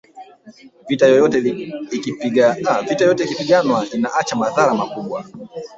vita yoyote ikipiganwa inaacha madhara makubwa